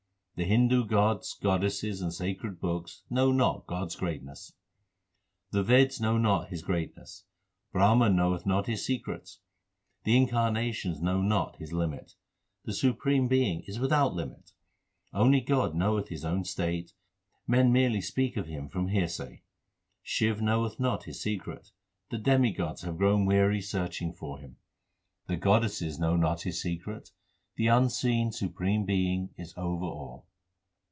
The Hindu gods, goddesses, and sacred books know not God s greatness : The Veds know not His greatness ; Brahma knoweth not His secrets ; The incarnations know not His limit : The Supreme Being is without limit. Only God knoweth His own state ; Men merely speak of Him from hearsay. Shiv knoweth not His secret ; The demigods have grown weary searching for Him ; HYMNS OF GURU ARJAN 405 The goddesses know not His secret ; The unseen Supreme Being is over all.